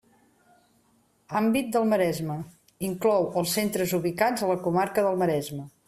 Àmbit del Maresme: inclou els centres ubicats a la comarca del Maresme.